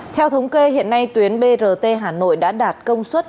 theo thống kê hiện nay tuyến brt hà nội đã đạt công suất